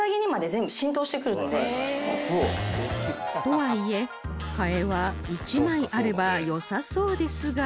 とはいえ替えは１枚あればよさそうですが